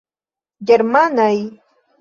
Germanaj?